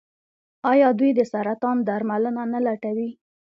آیا دوی د سرطان درملنه نه لټوي؟